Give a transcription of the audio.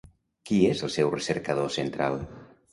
Qui és el seu recercador central?